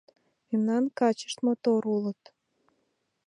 Мемнан качышт мотор улыт